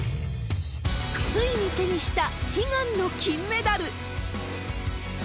ついに手にした悲願の金メダル。